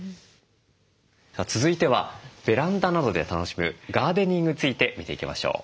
さあ続いてはベランダなどで楽しむガーデニングについて見ていきましょう。